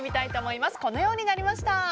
このようになりました。